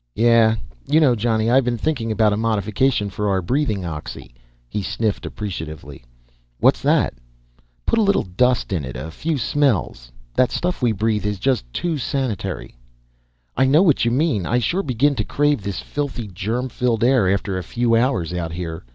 "Yeah. You know, Johnny, I've been thinking about a modification for our breathing oxy." He sniffed appreciatively. "What's that?" "Put a little dust in it, a few smells. That stuff we breathe is just too sanitary!" "I know what you mean. I sure begin to crave this filthy, germ filled air after a few hours out there."